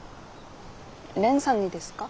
蓮さんにですか？